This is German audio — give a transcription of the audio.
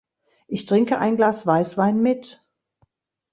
Ich trinke ein Glas Weiswein mit.